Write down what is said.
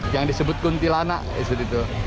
yang disebut kuntilanak itu